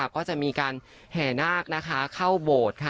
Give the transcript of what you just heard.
ก็จะมีการแห่นาคเข้าโบสถ์